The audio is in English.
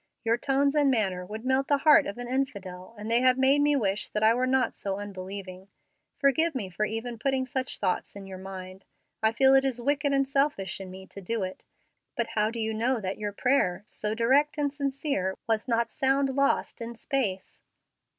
Your tones and manner would melt the heart of an infidel, and they have made me wish that I were not so unbelieving. Forgive me for even putting such thoughts in your mind I feel it is wicked and selfish in me to do it but how do you know that your prayer, though so direct and sincere, was not sound lost in space?"